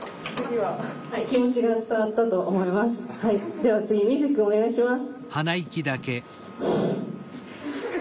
では次みずきくんお願いします。